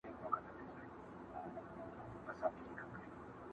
هغې ته دا حالت د ژوند تر ټولو دروند امتحان ښکاري